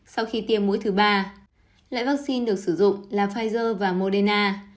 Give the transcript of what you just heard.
sau khi tiêm mũi thứ ba lợi vaccine được sử dụng là pfizer và moderna